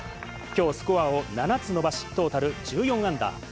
きょう、スコアを７つ伸ばし、トータル１４アンダー。